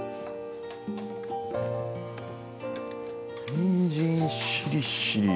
にんじんしりしりー